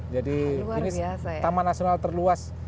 jadi ini taman nasional terluas